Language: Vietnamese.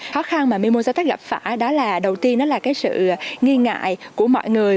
khó khăn mà mimosa tech gặp phải đó là đầu tiên đó là cái sự nghi ngại của mọi người